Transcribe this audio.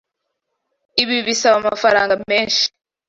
Ibi bisaba amafaranga menshi.